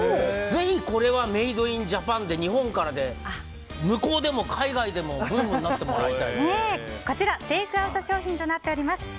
ぜひ、これはメイド・イン・ジャパンで日本からで、向こうでも海外でもこちらテイクアウト商品となっております。